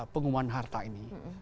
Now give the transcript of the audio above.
pengumuman harta ini